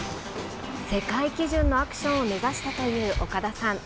世界基準のアクションを目指したという岡田さん。